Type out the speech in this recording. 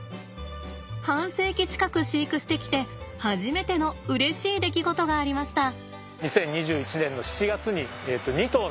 半世紀近く飼育してきて初めてのうれしい出来事がありました。